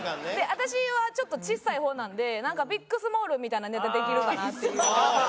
私はちょっと小さい方なのでなんかビックスモールンみたいなネタできるかなっていう。